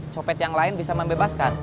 copet yang lain bisa membebaskan